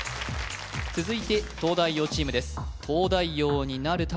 続いて東大王チームです